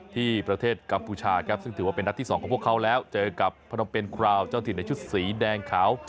ที่ประเทศกัมพูชาครับซึ่งถือว่าเป็นนัดที่สองของพวกเขาแล้วเจอกับพนมเป็นคราวเจ้าถิ่นในชุดสีแดงขาว